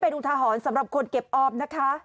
อุทหรณ์สำหรับคนเก็บออมนะคะ